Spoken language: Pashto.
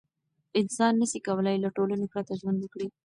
انسان نسي کولای له ټولنې پرته ژوند وکړي.